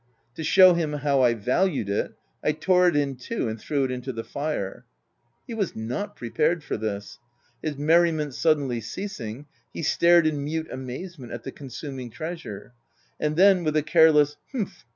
To show him how I valued it, I tore it in two, and threw it into the fire. He was not pre pared for this. His merriment suddenly ceas VOL I. Q 338 THE TENANT ing, he stared in mute amazement at the con suming treasure ; and then, with a careless " Humph